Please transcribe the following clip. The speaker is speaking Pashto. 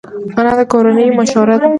انا د کورنۍ مشوره ده